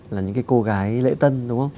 là những cái cô gái lễ tân đúng không